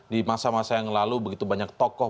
di masa masa yang lalu begitu banyak tokoh